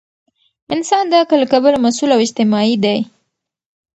انسان د عقل له کبله مسؤل او اجتماعي دی.